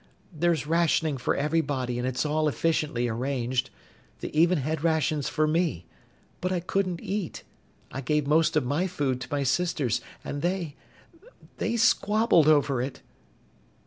There's rationing for everybody and it's all efficiently arranged. They even had rations for me. But I couldn't eat! I gave most of my food to my sisters and they they squabbled over it!"